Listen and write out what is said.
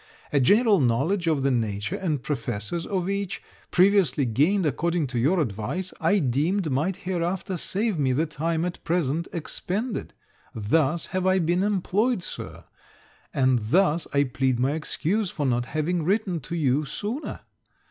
A general knowledge of the nature and professors of each, previously gained according to your advice, I deemed might hereafter save me the time at present expended. Thus have I been employed, Sir; and thus I plead my excuse for not having written to you sooner.